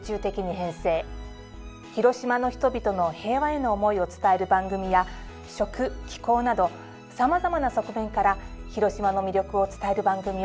広島の人々の平和への思いを伝える番組や食・紀行などさまざまな側面から広島の魅力を伝える番組を放送しました。